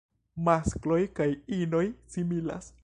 Maskloj kaj inoj similas.